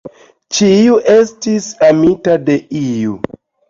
Ĉiu estis amita de iu.